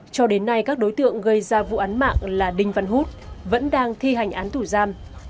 các đối tượng gây ra vụ án mạng là đinh văn hút vẫn đang thi hành án thủ giam